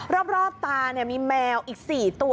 รอบตามีแมวอีก๔ตัว